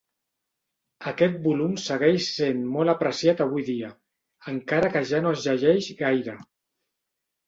Aquest volum segueix sent molt apreciat avui dia, encara que ja no es llegeix gaire.